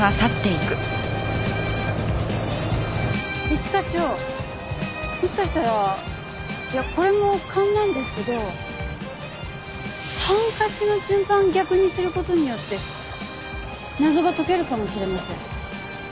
一課長もしかしたらいやこれも勘なんですけどハンカチの順番逆にする事によって謎が解けるかもしれません。